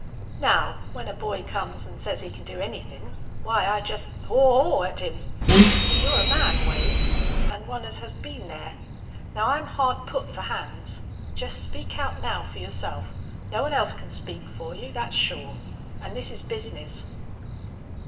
"Now, when a boy comes an' says he can do anythin', why I jest haw! haw! at him. But you're a man, Wade, an' one as has been there. Now I'm hard put fer hands. Jest speak out now fer yourself. No one else can speak fer you, thet's sure. An' this is bizness."